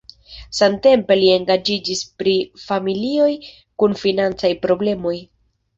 Samtempe li engaĝiĝis pri familioj kun financaj problemoj.